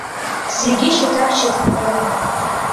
Зегьы шьаҭак-шьаҭак рымоуп.